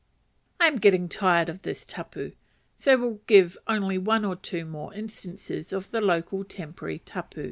I am getting tired of this tapu, so will give only one or two more instances of the local temporary tapu.